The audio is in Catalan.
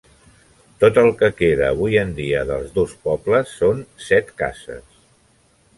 Tot el que queda avui en dia dels dos pobles són set cases.